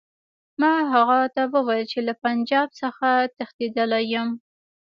ما هغه ته وویل چې له پنجاب څخه تښتېدلی یم.